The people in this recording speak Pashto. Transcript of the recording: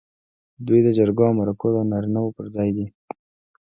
دوی د جرګو او مرکو د نارینه و پر ځای دي.